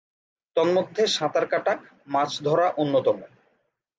তন্মধ্যে সাঁতার কাটা, মাছ ধরা অন্যতম।